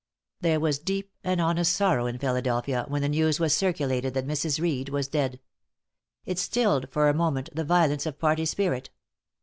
There was deep and honest sorrow in Philadelphia, when the news was circulated that Mrs. Reed was dead. It stilled for a moment the violence of party spirit.